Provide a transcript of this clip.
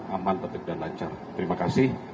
aman tetap dan lancar terima kasih